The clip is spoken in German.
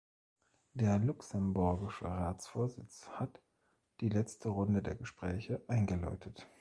Der luxemburgische Ratsvorsitz hat die letzte Runde der Gespräche eingeläutet.